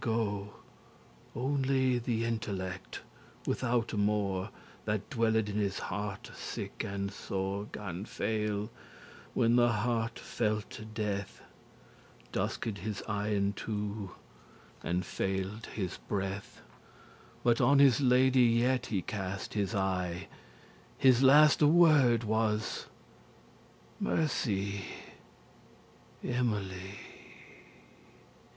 *gone Only the intellect, withoute more, That dwelled in his hearte sick and sore, Gan faile, when the hearte felte death; Dusked* his eyen two, and fail'd his breath. *grew dim But on his lady yet he cast his eye; His laste word was; "Mercy, Emily!"